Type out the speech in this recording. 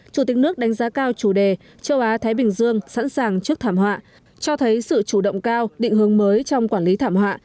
chủ tịch nước đánh giá cao chủ đề châu á thái bình dương sẵn sàng trước thảm họa cho thấy sự chủ động cao định hướng mới trong quản lý thảm họa